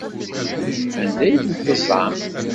Anda ay ten-teẓẓamt?